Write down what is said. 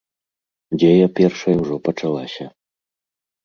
Дзея першая ўжо пачалася.